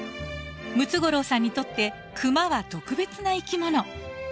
ムツゴロウさんにとって熊は特別な生き物。